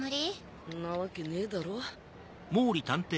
んなわけねえだろ。